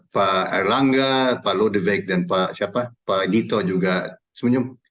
pak erlangga pak ludebek dan pak dito juga senyum